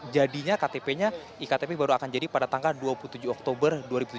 jadinya ktp nya iktp baru akan jadi pada tanggal dua puluh tujuh oktober dua ribu tujuh belas